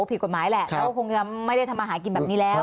ผิดกฎหมายแหละครับแล้วคงยังไม่ได้ทำอาหารกินแบบนี้แล้ว